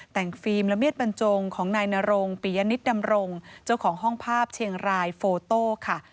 แต่งฟิล์มละเมียดบรรจงของนายนรงปิยนิตดำรงเจ้าของห้องภาพเชียงรายโฟโต้ค่ะ